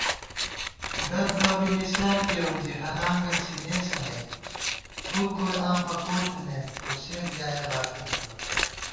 دَد بابے نِسِیات کېرون زِی ہدانگہ څھِنېسہ نئ * فُک گوئی آں پکو تھنَئیم خو سے بلیایَہ غافل تھنہ